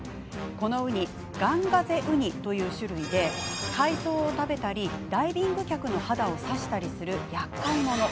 このウニ、ガンガゼウニという種類で海藻を食べたりダイビング客の肌を刺したりするやっかい者。